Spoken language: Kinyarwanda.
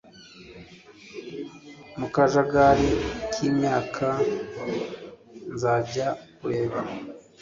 Mu kajagari kimyaka nzajya kureba